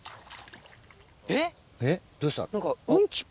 えっ⁉えっどうした？